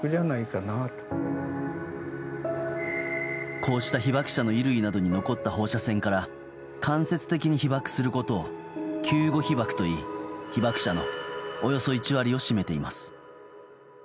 こうした被爆者の衣類などに残った放射線から間接的に被爆することを救護被爆といい被爆者のおよそ１割を占めています。